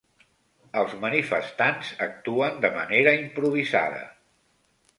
Els manifestants actuen de manera improvisada.